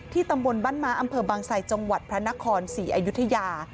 ตำบลบ้านม้าอำเภอบางไซจังหวัดพระนครศรีอยุธยา